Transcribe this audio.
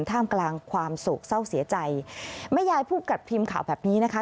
ท่ามกลางความโศกเศร้าเสียใจแม่ยายพูดกับทีมข่าวแบบนี้นะคะ